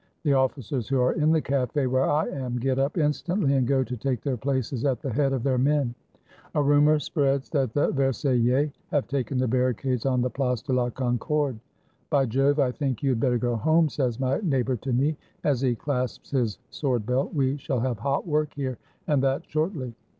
The officers who are in the cafe where I am get up instantly, and go to take their places at the head of their men. A rumor 412 ONE DAY UNDER THE COMMUNE spreads that the Versaillais have taken the barricades on the Place de la Concorde. — "By Jove! I think you had better go home," says my neighbor to me, as he clasps his sword belt; "we shall have hot work here, and that shortly."